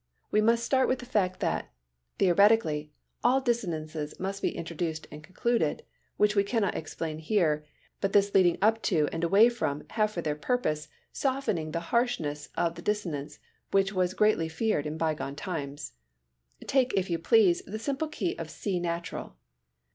We must start with the fact that, theoretically, all dissonances must be introduced and concluded, which we cannot explain here, but this leading up to and away from have for their purpose softening the harshness of the dissonance which was greatly feared in bygone times. Take if you please, the simple key of C natural.